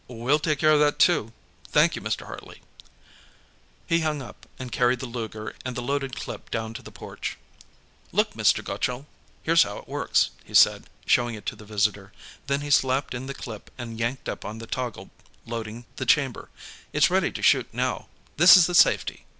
"We'll take care of that, too. Thank you, Mr. Hartley." He hung up, and carried the Luger and the loaded clip down to the porch. "Look, Mr. Gutchall; here's how it works," he said, showing it to the visitor. Then he slapped in the clip and yanked up on the toggle loading the chamber. "It's ready to shoot, now; this is the safety."